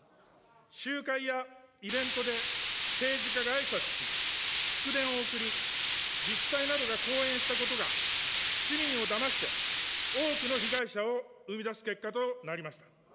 集会やイベントで政治家があいさつし、祝電を送り、自治体などが後援したことが、市民をだまして多くの被害者を生み出す結果となりました。